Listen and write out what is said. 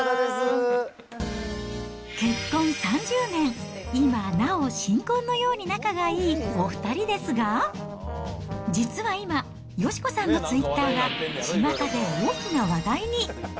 結婚３０年、今なお新婚のように仲のよいお２人ですが、実は今、佳子さんのツイッターが、ちまたで大きな話題に。